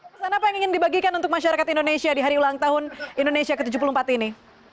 pesan apa yang ingin dibagikan untuk masyarakat indonesia di hari ulang tahun indonesia ke tujuh puluh empat ini